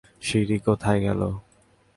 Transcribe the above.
সিঁড়ি কোথায় গেলো?